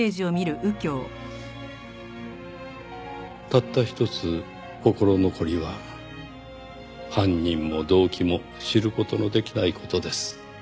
「たったひとつ心残りは犯人も動機も知る事のできない事です」